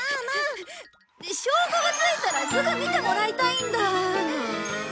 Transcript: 証拠が着いたらすぐ見てもらいたいんだ。